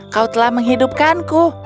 kau telah menghidupkanku